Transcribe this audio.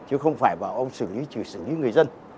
chứ không phải vào ông xử lý chỉ xử lý người dân